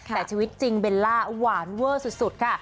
แต่ชีวิตจริงเบลล่าหวานเวอร์สุดค่ะ